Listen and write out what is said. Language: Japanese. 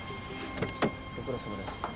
ご苦労さまです。